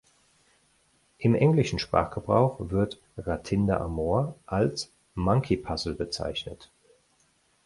Im englischen Sprachgebrauch wird "Rathinda amor" als "Monkey Puzzle" bezeichnet.